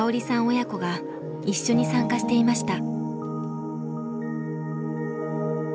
親子が一緒に参加していました。